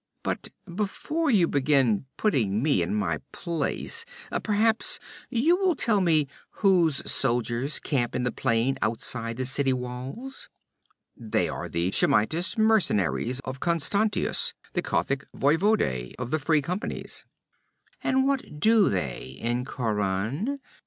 But before you begin putting me in my place perhaps you will tell me whose soldiers camp in the plain outside the city walls?' 'They are the Shemitish mercenaries of Constantius, the Kothic voivode of the Free Companies.' 'And what do they in Khauran?'